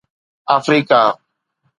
Africa